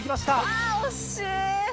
・あ惜しい！